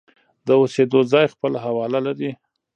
د اوسېدو ځای خپل حواله لري.